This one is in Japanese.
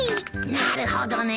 なるほどね。